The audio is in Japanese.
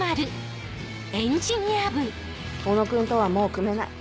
小野君とはもう組めない。